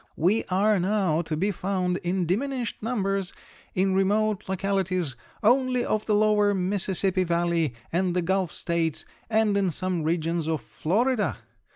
We are now to be found, in diminished numbers, in remote localities only of the lower Mississippi Valley and the Gulf States and in some regions of Florida.